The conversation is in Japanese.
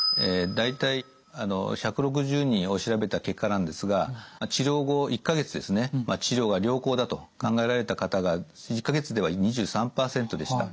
大体１６０人を調べた結果なんですが治療後１か月ですね治療が良好だと考えられた方が１か月では２３％でした。